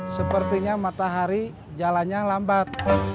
sepertinya matahari jalannya lambat